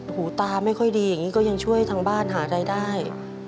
หูตาไม่ค่อยดีอย่างนี้ก็ยังช่วยทางบ้านหารายได้